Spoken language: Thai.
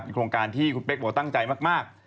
โครงการที่คุณเป๊กบอกตั้งใจมาก